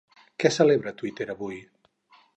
Què celebra Twitter avui?